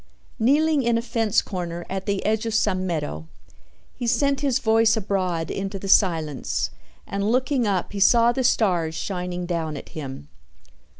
Kneeling in a fence corner at the edge of some meadow, he sent his voice abroad into the silence and looking up he saw the stars shining down at him.